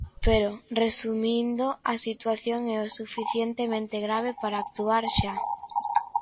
Pero, resumindo, a situación é o suficientemente grave para actuar xa.